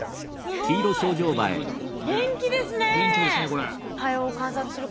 元気ですねこれ。